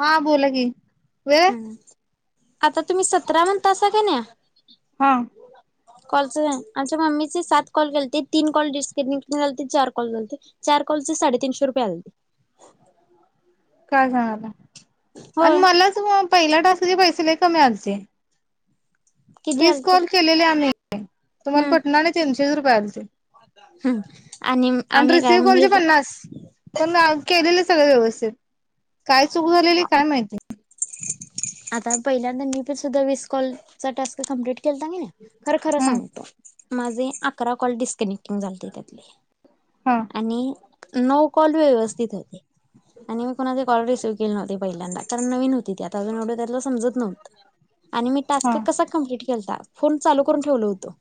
हा बोलला की, वव्य आता तुम्ही, सतरा म्हणतासा का नई? हां. [inaudible] कॉलच काय, आमच्या मम्मीचे सात कॉल गेलते, तीन कॉल डिसकनेक्ट झालते, चार कॉल गेलते. चार कॉलचे साडे तीनशे रुपये आले होते. काय सांगाला आणि होय मलाच तुम्हाला पहिला टास्क चे पैसे लई कमी आलते, किती विस आलते कॉल केलेले आम्ही. तुम्हाला पटणार नई, तीनशेच रुपये आलते. हम. आणि रिसीव्ह कॉलचे पन्नास. पण आ केलेलं सगळे व्यवस्थित, काय चूक झालेली काय माहिती? आता पहिल्यांदा, मी पण सुधा वीस कॉलचा टास्क, कमप्लीट केल ता की नाही? तर खर हम्म सांग, माझे अकरा कॉल डिस्कनेक्टिंग झालते, त्यातले. हां. आणि नऊ कॉल व्यवस्थित होते. आणि मी कोणाचे कॉल रिसीव्ह केले नव्हते पहिल्यांदा, कारण नवीन होती ती, आता अजून एवड त्यातल समजत नव्हंत. आणि मी हा टास्क कसा कमप्लीट केलता? फोन चालू करून ठेवलो होतो,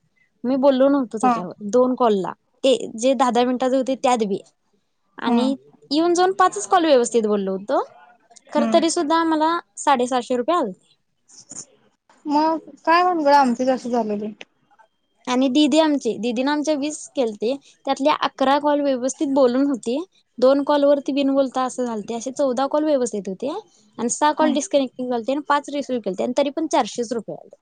मी बोललो नव्हतो हा त्याच्यावर दोन कॉलला, ते जे दहा- दहा मिनिटात होते, त्यात बी. हम्म आणि येऊन जाऊन पाचच कॉल व्यवस्थित बोललो होतो. खरं हम्म. तरी सुद्धा मला, साडेसाहशे रुपये आलते. मग, काय भानगडं आमच अस झालेले? आणि दिदी आमची, दिदीन आमचे वीस केलते. त्यातले अकरा कॉल व्यवस्थित बोलून होते. दोन कॉलवरती बिनबोलता असं झालते, असे चौदा कॉल व्यवस्थित होते. आणि सहा कॉल डिस्कनेक्टिंग झालते. पाच रिसीव्ह केलते. तरी पण चारशेच रुपये आले.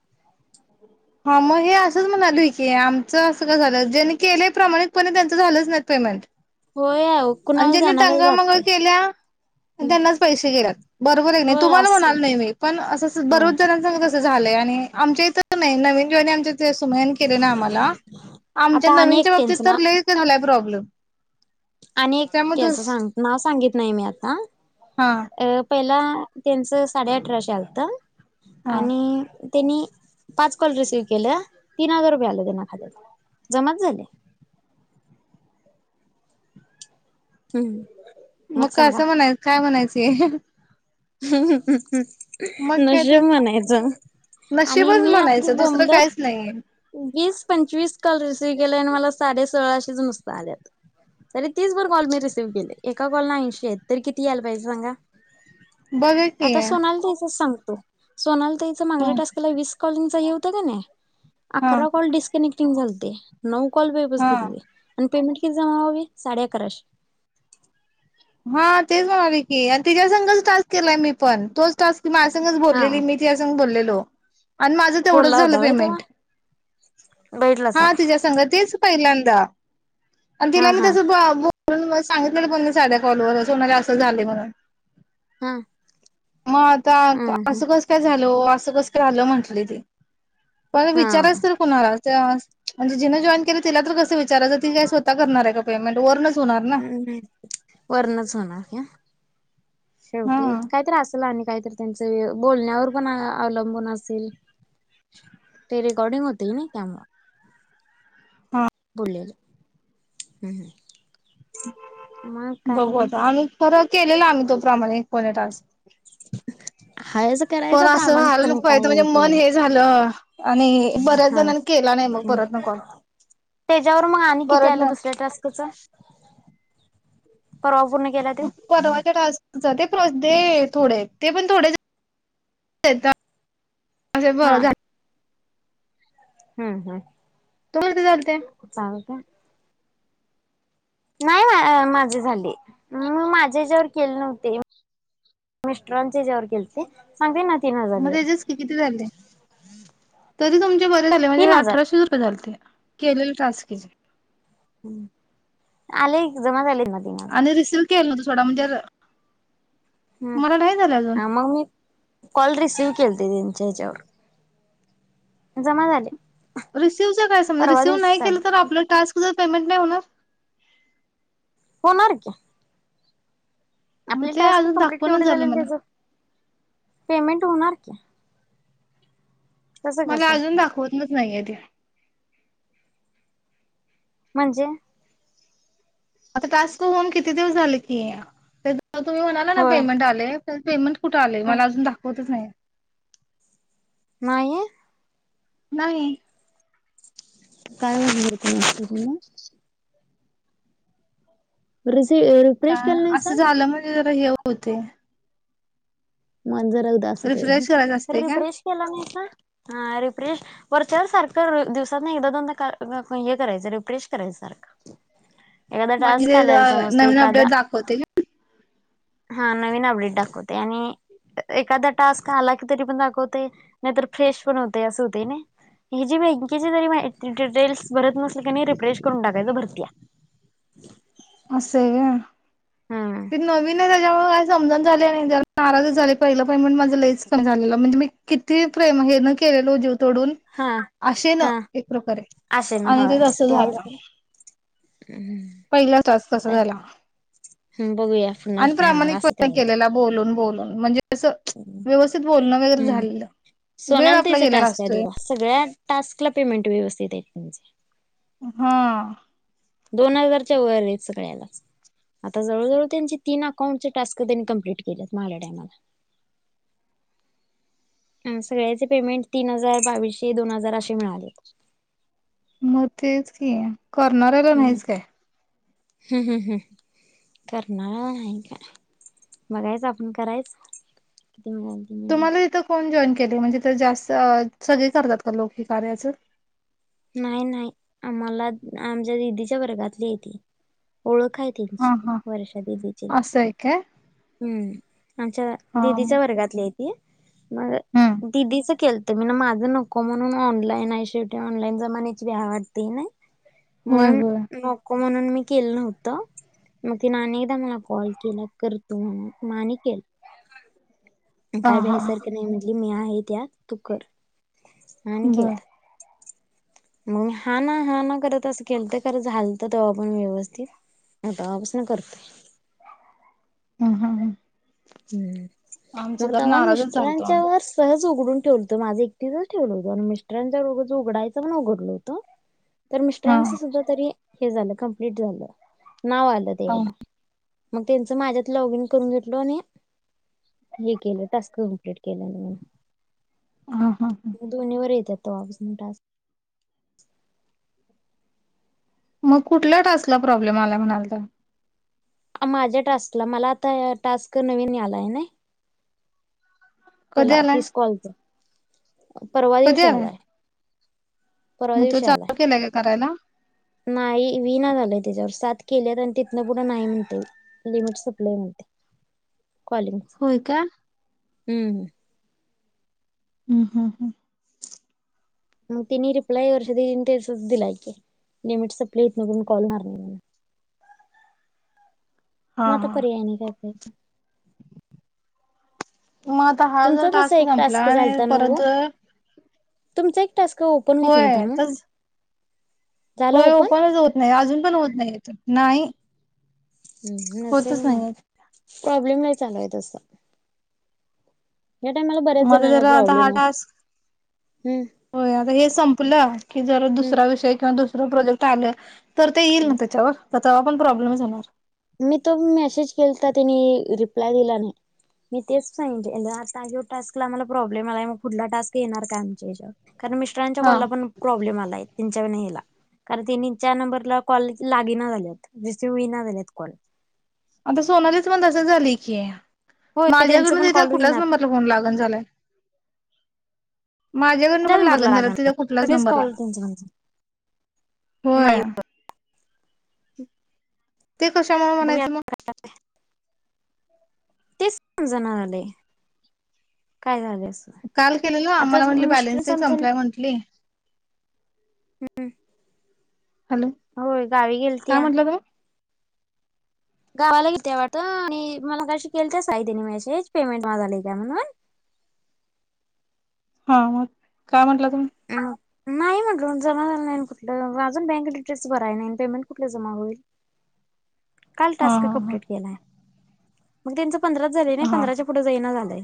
हा मग हे असंच म्हणालोय की. आमचं असं का झालं. ज्यांनी केल्या प्रमाणिक पणे त्यांचं झालंच नाही पेमेंट. होय आवो. आणि ज्यांनी टंगळ मंगळ केल्या पण त्यांनाच पैशे गेल्यात. बरोबर आहे क नाही? होय तुम्हाला असं म्हणालो नाही मी पण असंस होय बरेच जणांच जणांच तस झालंय आणि आमच्या इथ नाही नवीन ज्यांनी आमच्या इ सुमैयान केल नई आम्हाला आमच्या आता आणि एक नविनच्या बाबतीत त्यांचं नाव तर लई झालाय प्रॉब्लेम आणि एक त्यामुळे तू त्याचं सांग नाव सांगित नाही मी आता हा अप पहिला त्यांचं साडे अठराशे आलत हा आणि त्यांनी पाच कॉल रिसिव्ह केलं. तीन हजार रुपये आले त्यांना खात्यात. जमाच झाले. हम्म. मग कासं म्हणायच काय म्हणायचं हे. हम् हम् हम मग ह काय तर नशीब म्हणायच. आणि मी आपली बोमलत नई. वीस पंचवीस कॉल रिसिव्ह केले आणि मला साडे सोळाशेच नुसत आल्यात. तर तीस भर कॉल मी रिसीव्ह केले एका कॉलला ऐंशी आहेत तर किती यायला पाहिजे सांगा. बघा की आता हा सोनाली ताईचच सांगतो सोनाली तईचा माांगल्या टास्कला वीस कॉलिंगचा हे होतं का नाही? हा अकरा कॉल डिस्कनेक्टिंग झालते नऊ कॉल वेवस्थित हा गेले आणि पेमेंट किती जमा व्हावी साडे अकराशे हा तेच म्हणालोय की आणि तिज्या संगच काल केलाय मी पण तोच टास्क ती माझ्या सांगच हा बोललेली मी तिज्या संग बोललेलो. आणि माझं तेवढंच बोलला झालं होता व्हय तेव्हा पेमेंट बैठलासा हा काय तिज्या संगच तेच पहिल्यांदा आणि हा तिला मी हा तस ब - बोलुन सांगितलेल पण मीच साध्या कॉलवर अस म्हणजे असं झालय म्हणून हा. मग आता हम्म असं कस काय झाल ओ असं कस काय झाल म्हंटली ती पण हा विचारायच तरी कुणाला? जे आस म्हणजे जिन जॉईन केलं तिला तर कसं विचारयचं ती काय स्वतः करणार आहे का पेमेंट वरनच. हम्म नाही वरणच होणार घ्या? हा शेवटी काहीतर असल आणि काहीतर त्यांच य बोलण्यावर पण अवलंबून असेल. ते रेकर्डिंग होतेय नई त्यामुळं हा. बोललेलं हम् ह्. बघू आता आम्ही खरं केलेलं आम्ही तो प्रमाणीकपणे टास्क हायच करायचा पण असं व्हायला प्रामाणिकपणे नको काय पायजे येईल होत. ते मन येईल हे झालं. आणि बऱ्याच हा जणांनी केला नाही मग परत न कॉल. तेज्यावर वर मग आणि किती परत आलं ना दुसऱ्या टास्कचं परवा पूर्ण केलाय तो परवाच्या टास्कच ते प्रदे थोडे ते पण थोडे [inaudible] हा [unintelligible] हम्म हम्म. तू किती झालते. चालं कां नाहीं माझे झाले मी माझ्यांच्यावर केले नव्हते. मेस्ट्रांचे येच्यांवर केेलति सांगते नां तीनं हजांर मग जरी त्याचेच किती झाले तरी तुंमचे बरे झाले म्हणजे तीन हजार अठराशे रुपये झालं ते केलेला टांस किजे. आले जमा झाले माझे आणि रिसिव्ह केलं नां तूंथोडा म्हणजे मला नाही झालं अजून हम्मं आं मम्मी कॉलरी रीशिव करतें यांच्या वरूंन जमा झाले. रिसीव्ह कायं समज परवा रिसिव दिवशी नाहीं केलं तरं चालते आपलं टास्क जरं पेमेंट नाहीं होणारं होणारं की मग आपले ते टांस्क अजून कंप्लीट दाखवणच केवढे झाले झालेल मला त्यांचं पेमेंट होणारं की तसं मलां कसं अजूंन दाखवतंच नाहीं आहे ती म्हणजे आंता टांस्क होऊन किती दिवसं झाले की तुम्हीं म्हणांला नां होय पेमेंट आले पेमेंट कुठं आले मलां अजूंन दाखवतंच नाहीं नाहीं नाहीं. कायं म्हणते असतं तुम्हीं रीसीव कां असं झालं म्हणजे जरां हे होते मं जरां उदांसत रिफ्रेश करायच तरं असते का रिफ्रेश केलां नाहीं हे रिफ्रेश वरंच्यांवर सारखं दिवसांत नां एकदां दोनदा हे करायचं रिपरेश करायचं सारखं एखाद्या टांस्क म्हणजे आंला समंज तरं नवीन अपडेट एखांदा दाखवते हां नवीन अपडेट दाखवते आणि एखांदा टांस्क आंला की तरी पणं दाखवते नाहीतरं फ्रेश पणं होते असं होते नाहीं हं जी बँकेची जरी डिटेल्स भरतं नसलं ते रिफ्रेश करूंन टाकायचं भरती हं असं हे हम्म ते नवीन आहे त्यांच्यामुळे समजणं झाले नाहीं त्यांला नारांज झाले पहिलं पहिलं म्हणे माझं लेचं की झालेलं म्हणजे मी किती प्रेम हे न केलेलो जीव तोंडून हा असे नां हा एक प्रकारे असे ना आणि ते तसं झालं हम्मं टांस्क कसां झालां हम्म, बघूया पुन्हाच आणि नाही मला असं प्रामाणिकपणे करायचं केलां नं बोलूंन बोलूंन म्हणजे तसं व्यवस्थित बोलणं वगैरें हम्म झालं वेळं आपलां गेलेला असतोय सगळ्यां टांस्क लां पेमेंट व्यवस्थित आहेतं म्हंजे हां दोन हजारांच्या वरं आहेतं सगळ्यांना आंता जवळंजवळं त्यांचे तीनं अकाउंटचे टांस्क त्यांनी कंप्लीट केलेत माहांल्या टामाला रीकाम आहे [unintelligible] सगळ्यांचे पेमेंट तीनं हजांर बावीसशे दोन हजांर असे मिळालेत मंग तेचं की कॉर्नर आंला नाहीच कायं हम्मं हम्मं हमं करणारं नाहीं कां बघायचं आपणं करायचं किती म्हणालं तुम्हांला तिथं कोणं जॉईन केले म्हणजे तीथं जास्तं सगळें करतांत कां लोकं हे कार्याचं नाही नाही आम्हाला आमच्या दिदीच्या वर्गातलीय ती. ओळख हायत. हा हा वर्षा दिदीचीया. असं आहे काय हम्म आमच्या हा मग दिदीच्या वर्गातलीय. हम्म दिदीच केलत मी. माझं नको म्हणून ऑनलाईन आहे शेवटी. ऑनलाईन जमाची भ्याव वाटतीय नाही. होय म्हणून होय नक को म्हणून मी केलं नव्हतं. मग तिने आणि एकदा मला कॉल केला. कर तू म्हणून. म आणि केलं. हा काय हा भ्यायसारखं नाही म्हटली. मी आहे त्यात. तू कर. आणि केल. बर मग मी हा ना, हा ना करत असं केलत. खरं झालत तेव्हा पण व्यवस्थित. तवापासन करतोय. हम्म हम्म हम्म. आमचं मग जर तेव्हा नाराजच झालतो मिस्टरांच्या आम्ही वर सहज उघडून ठेवूल. त माझं एकटीचच ठेवलं होतं. आणि मिस्टरांच रोज उघायचं पण उघडलं होतं. तर हा मिस्टरांचं सुद्धा तरी हे झालं. कंप्लीट झालं नाव आलं ते हा हेला. मग त्यांचं माझ्यात लॉग इन करून घेतलो आणि हे केलं. टास्क कमप्लीट केलान म. हा हा हम्म. दोन्ही वर येतात तवा पासन टास्क. मग कुठल्या टास्कला प्रॉब्लेम आला म्हणालता? माझ्या टास्कला. मला आता टास्क नवीन यालाय नाही. कधी त्याला. आलाय तीस कॉलचा. परवा दिवशी आलाय. परवा मग तू दिवशी चालू आलाय केलाय का करायला? नाही विना झालंय त्याच्यावर. सात केलेत आणि तिथन पुढं नाही म्हणतय ते. लिमिट सप्लाय म्हणते. कॉलीग. हो का? हम्म हम्म. हम्म. ह. ह. मग तिने रिप्लाय वर्षा दिदी तेच दिलाय की. लिमिट सपलयं इथन‌ कॉल लागणारं नाही म्हणून. हा म आता हा पर्याय नाही काय तर. मग आता हा जर तुमचा टास्क तसा एक संपला. आणि झालता परत नव्ह जर तुमचा एक टास्क ओपन होईत नव्हता होय ना? तच झाला होय ओपन ओपणच होत नाही. अजून पण होत नाहीेत. नाही. हम्म नसेल होतच ना. नाहीये. प्रॉब्लेमही चालूय तसा. ह्या टायमाला बऱ्याच मग जणांना जरा आता हा प्रॉब्लेम आहे. टास्क हम्म. होय आता हे संपलं की, जर दुसरा विषय किंवा दुसरं प्रोजेक्ट आलं तर ते येईल ना हम्म त्याच्यावर. का तवा पण प्रॉब्लेमच होणार? मी तो मेसेज केलाता. त्यानी रिप्लाय दिला नाही. मी तेच सांगितलेल आता ह्यो टास्कला आम्हाला प्रॉब्लेम आलाय. म पुढला टास्क येणार का आमच्या हेच्यावर? कारण मिस्टरांच्या हा कॉलला पण प्रॉब्लेम आलाय. तेच्या कडन हेला. कारण त्यांनी ज्या नंबरला कॉल लागेना झालेयत. रिसिव्ह होईना झालेत कॉल. आता सोनालीच पण तसंच झालंय की, होय त्यांचं माझ्याकडन पण तिच्या कॉल कुठल्याच होईना नंबरला फोन लागणा झालाय. माझ्याकडन कुठल्या पण नंबरला लागणा झालंय. लागाना तिच्या कुठलाच सगळेच नंबरला कॉल त्यांच होय. हम्. [unintelligible] ते कशामुळे म्हणायचं म? तेच समजना झालंय. काय झालय असं. काल केलेलो, मला म्हटली बॅलेन्स तेन संपलाय म्हटली. हम्म, हॅलो होय गावी काय गेलत्या. म्हटलं तुम्ही गावाला गेलत्या वाटतं, आणि मगाशी केल ते साही तेनी मेसेज, पेमेंट आज आलंय काय म्हणून? हां मग, काय म्हटला तुम्ही? हम. नाही म्हटलो जमा झाल नाही, कुठलं अजून बँक डिटेल्स भराय नाही, पेमेंट कुठलं जमा होईल. काल हा टास्क हा कंप्लीट केलाय. मग त्यांच पंधराच झालंय नई, नाही हा पंधराच्या पुढे जाईणं झालंय.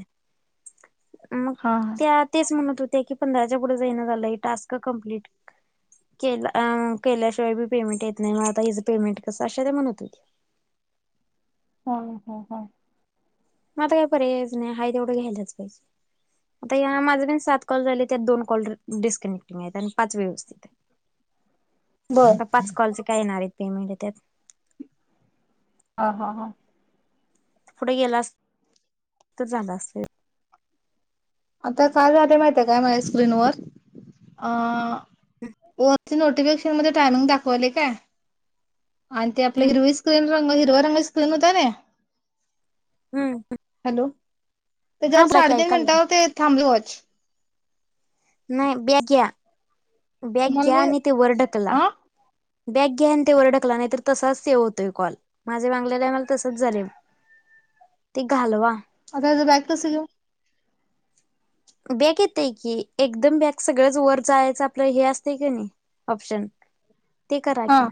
मग हा, हा. त्या, तेच म्हणत होत्या की पंधराच्या पुढे जाईना झालंय टास्क कंप्लीट केला अं, केल्याशिवाय बी पेमेंट येत नाही, म आता हिचं पेमेंट कसं अशे ते म्हणतते हा, हा, हा. मग आता काय पर्यायच नाही, हाय तेवढं घ्यायलाच पाहिजे. आता या, माझे पण सात कॉल झालेत त्या दोन कॉल डिस्कनेक्टिंग आहेत आणि पाच व्यवस्थित आहेत. बर आता पाच कॉलचे काय येणार आहेत पेमेंट त्यात ह, ह, हां. पुढे गेलात, तर झालं असत. आता काय झालं माहिती हाय का माझ्या स्क्रीनवर, अ, वर नोटिफिकेशन मध्ये ते आलंग दाखवलंय काय, आणि ते आपल हम्म हिरवी स्क्रीन रंग हिरव्या रंगाची स्क्रीन होत्या नी. हम्म हॅलो, हा तेज्यावर बोला की साडेतीन ऐकालोय. मिनिटावर ते थांबल वॉच नाही बॅक घ्या, बॅक तुम्हाला घ्या मी आणि ते वर ढकला. अ बॅक घ्या न ते वर ढकला नाही तर तसाच सेव्ह होतोय कॉल. माझे मागल्या टाइमाला तसच झालंय, ते घालवा. आता हेच बॅक कसं घेऊ? बॅक येते की, एकदम बॅक सगळंच वर जायचं आपलं हे असतंय कनी ऑप्शन ते करा हा कि.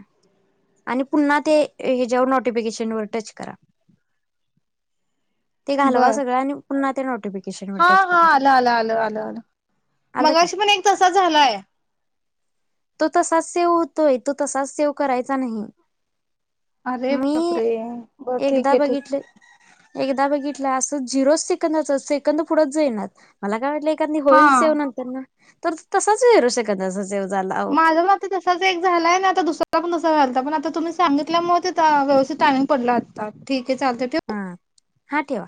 आणि पुन्हा ते, ह्याच्यावर नोटिफिकेशन वर टच करा. ते घालवा बर सगळं, आणि पुन्हा ते नोटिफिके हा, हा आलं, आलं, आलं, आलं, आलं आलं मगाशी काय पण एक तसा झालाय. तो तसाच सेव होतोय, तो तसाच सेव करायचा नाही. अरे मी बापरे, ब ठीक हाय, ठीक हाय. [unintelligible] एकदा बघितलं असं, झिरो सेकंद, सेकंद पुढेच जाईनात. मला काय वाटलं, एखादी हा होईल सेव नंतरन, तर तसाच झेरो सेकंद सेव्ह माझं मक तसाच एक झालाय न, आता दुसरा पण तसा व्हालता, पण आता तुम्ही सांगितल्यामुळे ते त्या व्यवस्थित टाईमिंग पडला आता. बरं ठीक हे चालतंय ठेऊ. हा, हा ठेवा.